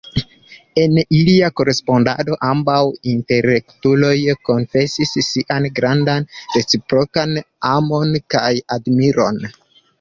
En ilia korespondado, ambaŭ intelektuloj konfesis sian grandan reciprokan amon kaj admiron.